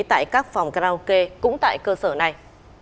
tại các phòng karaoke cũng tại cơ sở này